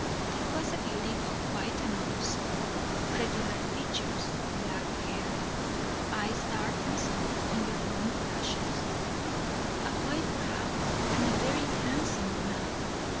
This was a beauty of quite another sort. Regular features, black hair, eyes dark and soft under long lashes, a white brow and a very handsome mouth.